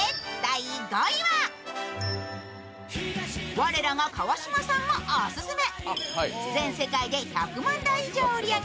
我らが川島さんもオススメ！